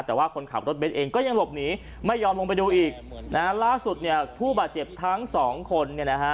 แต่ว่าคนขับรถเบ้นเองก็ยังหลบหนีไม่ยอมลงไปดูอีกนะฮะล่าสุดเนี่ยผู้บาดเจ็บทั้งสองคนเนี่ยนะฮะ